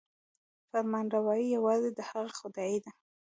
فرمانروايي یوازې د هغه خدای ده.